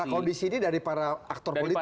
prakondisi ini dari para aktor politik ya